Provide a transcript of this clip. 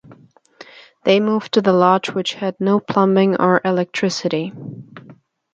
They moved to the lodge which had no plumbing or electricity.